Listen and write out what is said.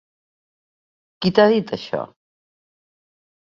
Qui t'ha dit això?